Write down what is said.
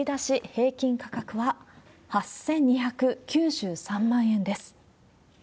平均価格は８２９３万円です。